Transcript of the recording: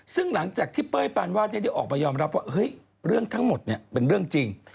ซึ่งหลังจากที่เป้ยปานวาดได้ออกมายอมรับว่าเฮ้ยเรื่องทั้งหมดเนี่ยเป็นเรื่องจริง